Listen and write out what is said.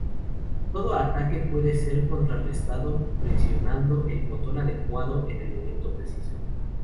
Todo ataque puede ser contrarrestado presionando el botón adecuado en el momento preciso.